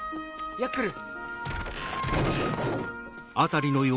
ヤックル。